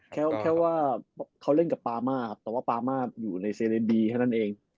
แค่ว่าเขาเล่นกับปามาแต่ว่าปามาอยู่ในเซเลนดีแค่นั้นเอง